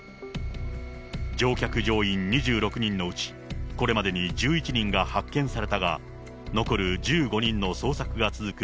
乗客・乗員２６人のうち、これまでに１１人が発見されたが、残る１５人の捜索が続く